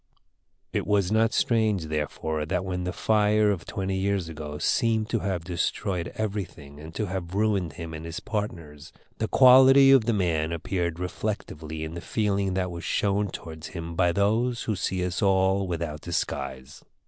It was not strange, therefore, that when the fire of twenty years ago seemed to have destroyed everything and to have ruined him and his partners, the quality of the man appeared reflectively in the feeling that was shown towards him by those who see us all without disguise.